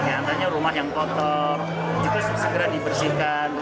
nyatanya rumah yang kotor itu segera dibersihkan